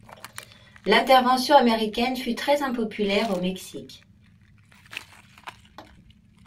L'intervention américaine fut très impopulaire au Mexique.